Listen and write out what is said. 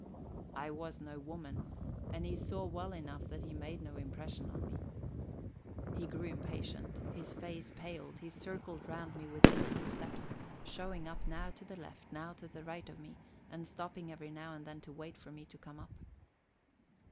I was no woman, and he saw well enough that he made no impression on me. He grew impatient, his face paled, he circled round me with hasty steps, showing up now to the left, now to the right of me, and stopping every now and then to wait for me to come up.